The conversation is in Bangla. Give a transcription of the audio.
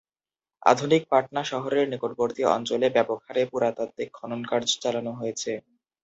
আধুনিক পাটনা শহরের নিকটবর্তী অঞ্চলে ব্যাপকহারে পুরাতাত্ত্বিক খননকার্য চালানো হয়েছে।